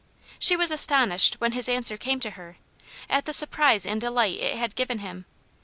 She was astonished, when his answer came to her, at the surprise and delight it had given him.